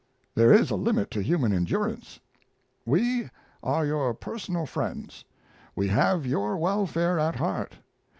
There is a limit to human endurance. We are your personal friends. We have your welfare at heart.